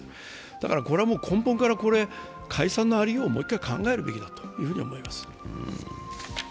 だから、これは根本から解散のありようをもう一回考えるべきだと思います。